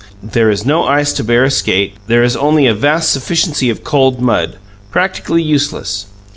There is no ice to bear a skate, there is only a vast sufficiency of cold mud, practically useless.